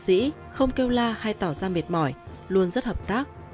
các chiến sĩ không kêu la hay tỏ ra mệt mỏi luôn rất hợp tác